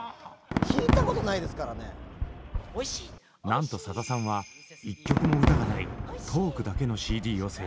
なんとさださんは１曲も歌がないトークだけのＣＤを制作。